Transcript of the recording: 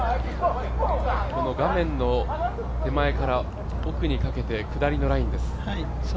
この画面の手前から奥にかけて下りのラインです。